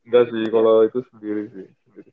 gak sih kalau itu sendiri sih